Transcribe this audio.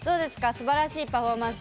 すばらしいパフォーマンス